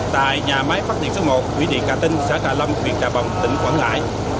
tại nhà máy phát triển số một quỹ địa cà tinh xã cà lâm huyện trà bồng tỉnh quảng lãi